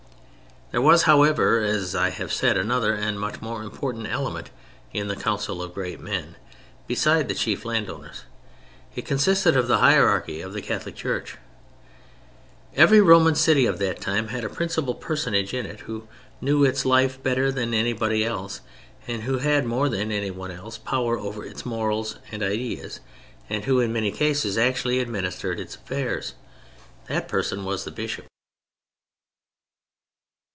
There was, however, as I have said, another and a much more important element in the Council of Great Men, besides the chief landowners; it consisted of the Hierarchy of the Catholic Church. Every Roman city of that time had a principal personage in it, who knew its life better than anybody else, who had, more than anyone else, power over its morals and ideas, and who in many cases actually administered its affairs. That person was the Bishop.